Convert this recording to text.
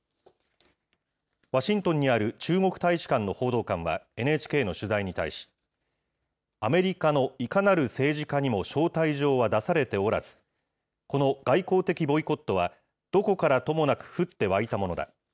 ワシントンにある中国大使館の報道官は、ＮＨＫの取材に対し、アメリカのいかなる政治家にも招待状は出されておらず、この外交的ボイコットは、どこからともなく降って湧いたものだ。